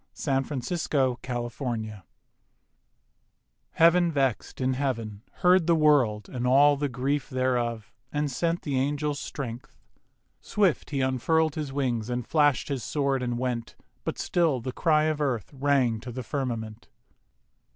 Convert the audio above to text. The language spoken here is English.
1882. THE THREE ANGELS Heav'n vex'd in heaven heard the World And all the grief thereof, and sent The angel Strength. Swift he unfurl'd His wings and flasht his sword and went: But still the cry of Earth rang to the firmament.